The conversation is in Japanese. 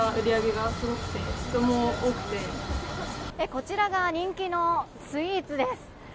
こちらが人気のスイーツです。